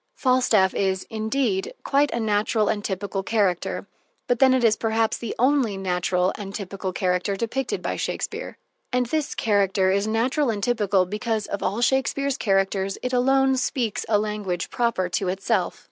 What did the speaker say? Falstaff is, indeed, quite a natural and typical character; but then it is perhaps the only natural and typical character depicted by Shakespeare. And this character is natural and typical because, of all Shakespeare's characters, it alone speaks a language proper to itself.